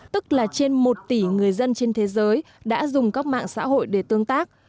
tức là trên một tỷ người dân trên thế giới đã dùng các mạng xã hội để tương tác